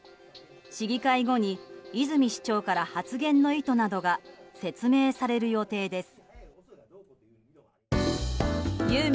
市議会後に泉市長から発言の意図などが説明される予定です。